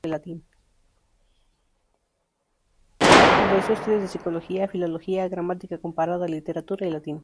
Realizó estudios de psicología, filología, gramática comparada, literatura y latín.